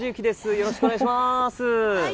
よろしくお願いします。